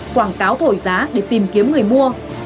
quảng cáo thổi giá để tìm kiếm người mua